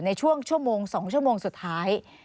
ในช่วงชั่วโมง๒ชั่วโมงสุดท้าย